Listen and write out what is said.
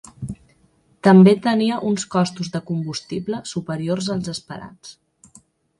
També tenia uns costos de combustible superiors als esperats.